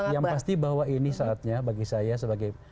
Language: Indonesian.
yang pasti bahwa ini saatnya bagi saya sebagai